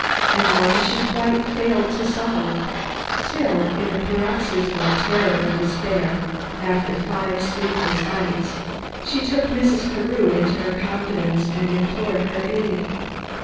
and one she quite failed to solve till, in a paroxysm of terror and despair, after five sleepless nights, she took Mrs. Carew into her confidence and implored her aid.